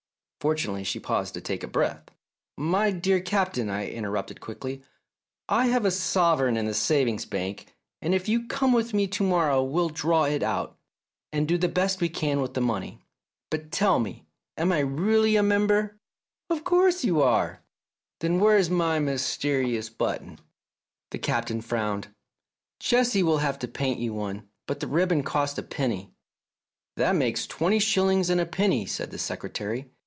Fortunately she paused to take breath. " My dear Captain," I interrupted quickly, I have a sovereign in the savings bank, and if you come with me to morrow we'll draw it out, and do the best we can with the money. But tell me, am I really a member?" " Of course you are !" "Then where's my mysterious button?" The Captain frowned. "Jessie will have to paint you one, but the ribbon costs a penny." "That makes twenty shillings and a penny," said the Secretary.